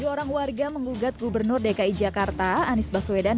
tujuh orang warga menggugat gubernur dki jakarta anies baswedan